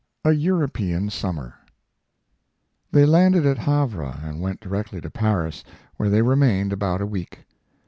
A EUROPEAN SUMMER They landed at Havre and went directly to Paris, where they remained about a week.